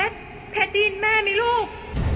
เพชรเพชรเพชรได้ยินแม่มีลูก